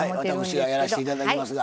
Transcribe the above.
私がやらせて頂きますが。